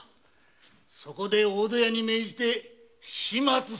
そこで大戸屋に命じて始末させたのだ。